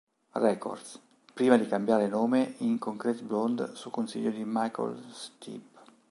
Records, prima di cambiare nome in Concrete Blonde su consiglio di Michael Stipe.